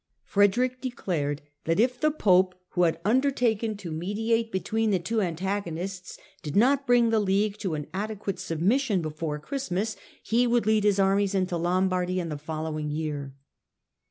Frederick declared that if the Pope, who had undertaken 140 STUPOR MUNDI to mediate between the two antagonists, did not bring the League to an adequate submission before Christmas, he would lead his armies into Lombardy in the following year.